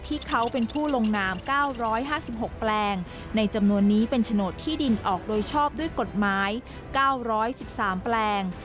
ที่เขาเป็นผู้ลงนามเก้าร้อยห้าสิบหกแปลงในจำนวนนี้เป็นโฉนดที่ดินออกโดยชอบด้วยกฎหมายเก้าร้อยสิบสามแปลง